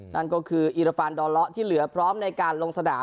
นั่นก็คืออิราฟานดอเลาะที่เหลือพร้อมในการลงสนาม